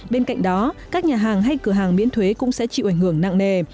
bên cạnh đó các nhà hàng hay cửa hàng miễn thuế cũng sẽ chịu ảnh hưởng nặng nề